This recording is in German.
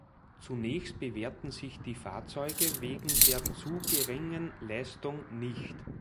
Zunächst bewährten sich die Fahrzeuge wegen der zu geringen Leistung nicht.